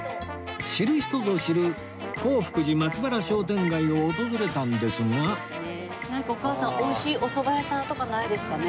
知る人ぞ知る洪福寺松原商店街を訪れたんですがなんかお母さんおいしいおそば屋さんとかないですかね？